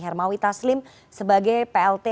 hermawi taslim sebagai plt